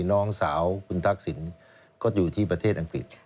น้องสาวคุณทักษิณก็อยู่ที่ประเทศอังกฤษ